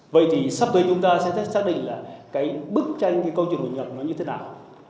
vậy thì sắp tới chúng ta sẽ xác định là cái bức tranh cái câu chuyện bình nhật nó như thế nào